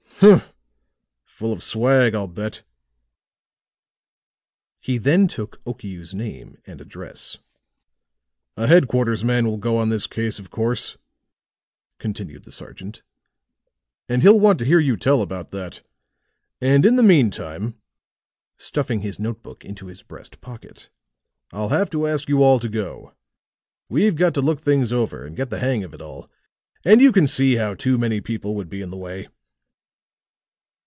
Humph! Full of swag, I'll bet." He then took Okiu's name and address. "A headquarters man will go on this case, of course," continued the sergeant, "and he'll want to hear you tell about that. And in the meantime," stuffing his note book into his breastpocket, "I'll have to ask you all to go. We've got to look things over, and get the hang of it all, and you can see how too many people would be in the way."